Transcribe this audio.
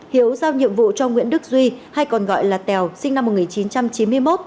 hiếu giao nhiệm vụ cho nguyễn đức duy hay còn gọi là tèo sinh năm một nghìn chín trăm chín mươi một